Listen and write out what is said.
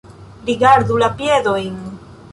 Rigardu la piedojn